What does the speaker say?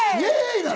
なの？